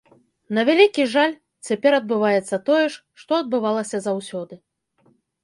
На вялікі жаль, цяпер адбываецца тое ж, што адбывалася заўсёды.